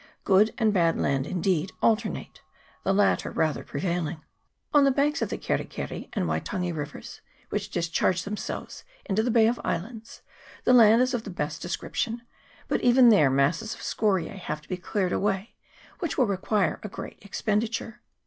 Good and bad land, indeed, alternate ; the latter rather prevailing. On the banks of the Keri keri and Waitangi rivers, which discharge them selves into the Bay of Islands, the land is of the best description ; but even there masses of scoriae have to be cleared away, which will require a great expenditure.